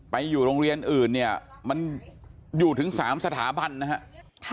ไปอยู่โรงเรียนอื่นเนี่ยมันอยู่ถึง๓สถาบันนะครับ